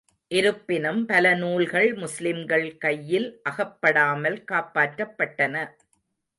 இருப்பினும் பலநூல்கள் முஸ்லிம்கள் கையில் அகப்படாமல் காப்பாற்றப்பட்டன.